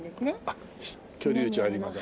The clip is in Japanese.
あっ居留地あります。